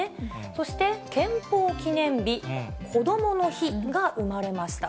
そして、憲法記念日、こどもの日が生まれました。